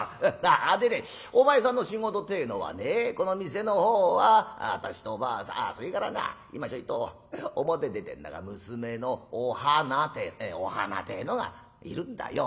あっでねお前さんの仕事ってえのはねこの店の方は私とおばあさんあっそれからな今ちょいと表出てんだが娘のお花てお花てえのがいるんだよ。